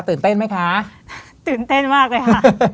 ตื่นเต้นไหมคะตื่นเต้นมากเลยค่ะ